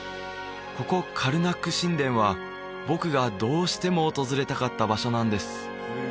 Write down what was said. ここカルナック神殿は僕がどうしても訪れたかった場所なんです